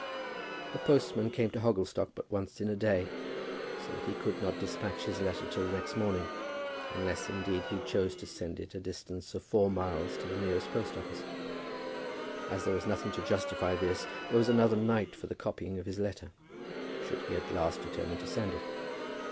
The postman came to Hogglestock but once in a day, so that he could not despatch his letter till the next morning, unless, indeed, he chose to send it a distance of four miles to the nearest post office. As there was nothing to justify this, there was another night for the copying of his letter, should he at last determine to send it.